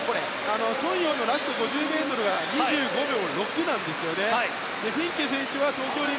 ソン・ヨウのラスト５０ｍが２５秒６なんですよね。